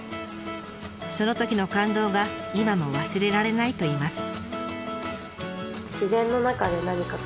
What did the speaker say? そのときの感動が今も忘れられないといいます。